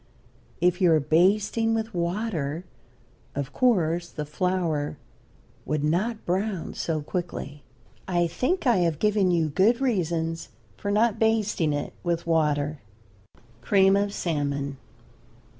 If you are basting with water of course the flour would not brown so quickly. I think I have given you good reasons for not basting it with water. CREAM OF SALMON.